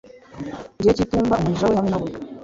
Igihe cy'itumba umuja we hamwe na we